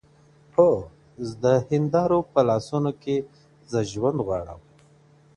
هو د هيندارو په لاسونو کي زه ژوند غواړمه,